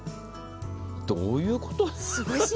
どういうことですか？